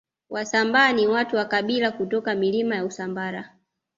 Wasambaa ni watu wa kabila kutoka Milima ya Usambara